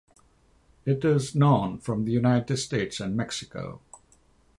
It is known from the United States and Mexico.